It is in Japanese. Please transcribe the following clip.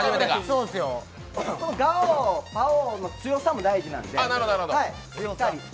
ガオ、ぱおんの強さも大事なんで。